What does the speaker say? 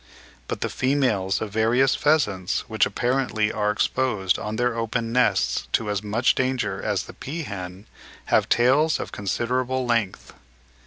But the females of various pheasants, which apparently are exposed on their open nests to as much danger as the peahen, have tails of considerable length.